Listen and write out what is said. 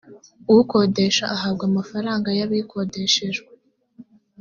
ukodesha ahabwa amafaranga yabikodeshejwe.